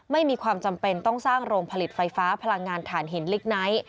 ไม่มีความจำเป็นต้องสร้างโรงผลิตไฟฟ้าพลังงานฐานหินลิกไนท์